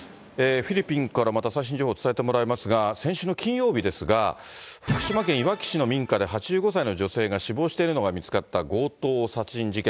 フィリピンからまた最新情報伝えてもらいますが、先週の金曜日ですが、福島県いわき市の民家で、８５歳の女性が死亡しているのが見つかった強盗殺人事件。